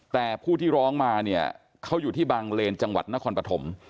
แต่ผู้ที่ร้องมาเนี่ยเขาอยู่ที่บางเลนจังหวัดนครปฐม